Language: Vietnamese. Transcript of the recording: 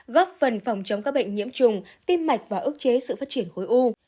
góp phần phòng chống các bệnh nhiễm trùng tim mạch và ức chế sự phát triển khối u